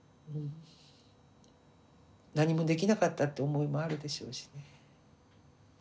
何もできなかったって思いもあるでしょうしね。